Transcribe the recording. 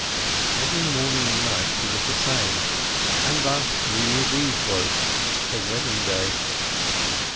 Every morning and night he was the same, and thus New Year's Eve broke—the wedding day.